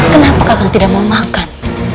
kenapa kakak tidak mau makan